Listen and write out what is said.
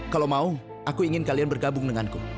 kalau mau aku ingin kalian bergabung denganku